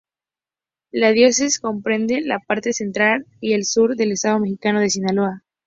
La diócesis comprende la parte central y sur del estado mexicano de Sinaloa.